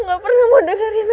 aku gak pernah mau dengerin kamu